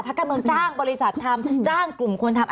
การเมืองจ้างบริษัททำจ้างกลุ่มคนทำ